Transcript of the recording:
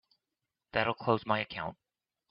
That'll close my account.